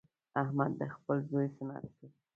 احمد خپل زوی سنت کړ.